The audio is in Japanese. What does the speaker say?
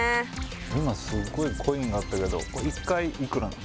今すっごいコインがあったけど１回いくらなの？